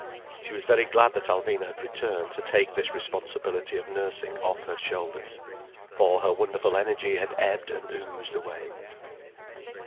She was very glad that Alvina had returned to take this responsibility of nursing off her shoulders. For her wonderful energy had ebbed and oozed away.